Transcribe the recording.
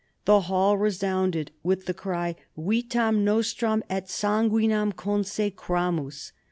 The hall resounded with the cry, " Vitam nostram et sanguinem consecramus."